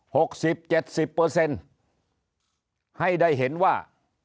หกสิบเจ็ดสิบเปอร์เซ็นต์ให้ได้เห็นว่า